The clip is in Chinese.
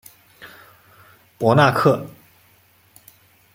博纳克。